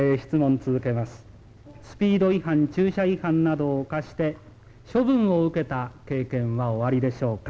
スピード違反駐車違反などを犯して処分を受けた経験はおありでしょうか。